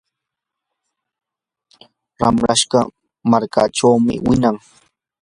ramrashqa markaachawmi winan.